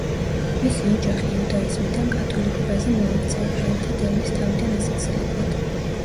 მისი ოჯახი იუდაიზმიდან კათოლიკობაზე მოექცა ებრაელთა დევნის თავიდან ასაცილებლად.